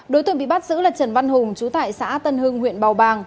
đối tượng bị bắt giữ là trần văn hùng chú tại xã tân hưng huyện bào bàng